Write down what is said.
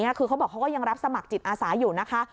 คือเขาบอกเขาก็ยังรับสมัครจิตอาสาอยู่นะคะ